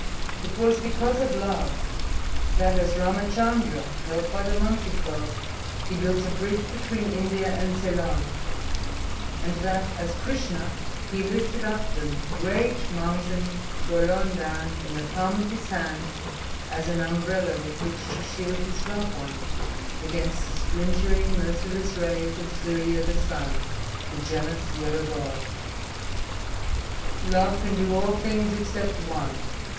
It was because of love that, as Ramachandra, helped by the monkey folk, he built a bridge between India and Ceylon, and that, as Krishna, he lifted up the great mountain Golonddhan in the palm of his hand as an umbrella with which to shield his loved one against the splintering, merciless rays of Surya, the Sun, the jealous, yellow god. "Love can do all things except one.